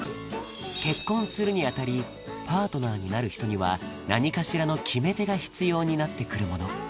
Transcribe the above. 結婚するにあたりパートナーになる人には何かしらの決め手が必要になってくるもの